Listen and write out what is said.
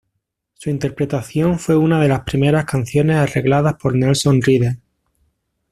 Su interpretación fue una de las primeras canciones arregladas por Nelson Riddle.